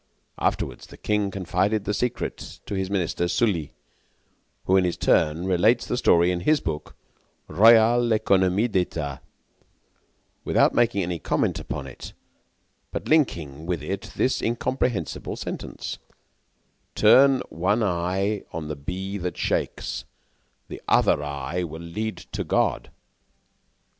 Afterward, the king confided the secret to his minister Sully, who, in turn, relates the story in his book, "Royales Economies d'Etat," without making any comment upon it, but linking with it this incomprehensible sentence: 'Turn one eye on the bee that shakes, the other eye will lead to God!